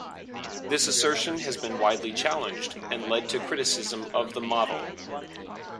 This assertion has been widely challenged, and led to criticism of the model.